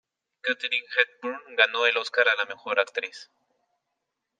Katharine Hepburn ganó el Oscar a la mejor actriz.